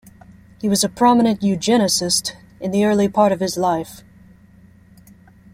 He was a prominent eugenicist in the early part of his life.